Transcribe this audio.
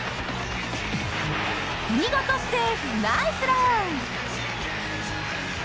見事セーフナイスラン！